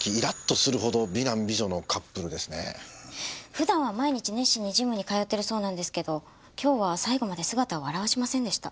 普段は毎日熱心にジムに通ってるそうなんですけど今日は最後まで姿を現しませんでした。